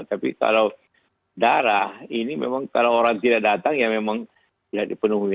tapi kalau darah ini memang kalau orang tidak datang ya memang tidak dipenuhi